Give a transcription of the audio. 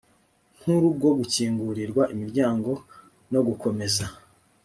nkuru bwo gukingurirwa imiryango no gukomeza